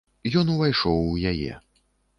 Ён увайшоў у яе.